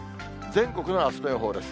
全国のあすの予報です。